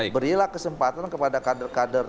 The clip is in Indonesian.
berilah kesempatan kepada kader kader